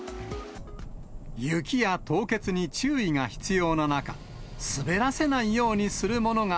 雪や凍結に注意が必要な中、滑らせないようにするものが。